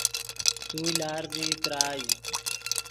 تو لارزیئی تراژ